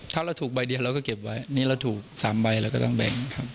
ถ้าเราถูกใบเดียวเราก็เก็บไว้นี่เราถูก๓ใบเราก็ต้องแบ่งครับ